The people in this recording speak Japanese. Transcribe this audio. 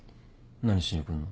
何しに来んの？